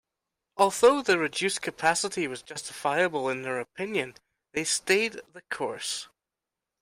Although the reduced capacity was justifiable in their opinion, they stayed the course.